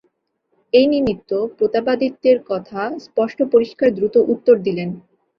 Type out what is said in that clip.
এই নিমিত্ত প্রতাপাদিত্যের কথা স্পষ্ট পরিষ্কার দ্রুত উত্তর দিলেন।